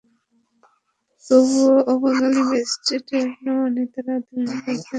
তবু অবাঙালি ম্যাজিস্ট্রেট নোমানি তাঁর দমননীতির অনাচার যতটা সম্ভব চালিয়ে গেছেন।